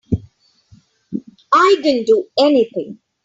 I didn't do anything.